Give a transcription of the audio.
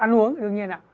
ăn uống đương nhiên ạ